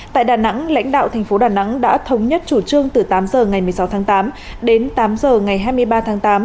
tại đà nẵng lãnh đạo thành phố đà nẵng đã thống nhất chủ trương từ tám h ngày một mươi sáu tháng tám đến tám h ngày hai mươi ba tháng tám